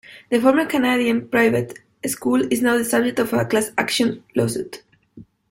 The former Canadian private school is now the subject of a class action lawsuit.